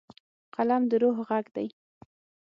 قلم د روح غږ دی.